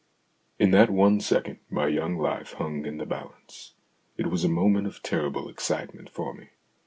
In that one second my young life hung in the balance. It was a moment of terrible excitement for me.